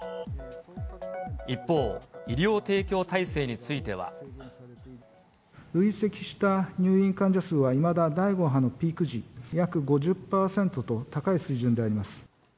一方、医療提供体制については。累積した入院患者数は、いまだ第５波のピーク時約５０％と高い水準であります。